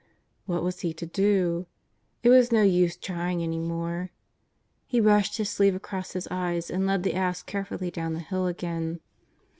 What was he to do ? It was no use trying any more. He brushed his sleeve across his eyes and led the ass carefully down the hill again.